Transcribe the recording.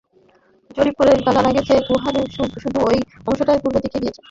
জরিপ থেকে জানা গেছে যে গুহার শুধু এই অংশটাই পূর্ব দিকে গিয়েছে।